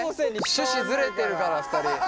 趣旨ずれてるから２人。